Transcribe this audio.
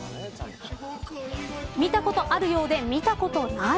見たことあるようで見たことない。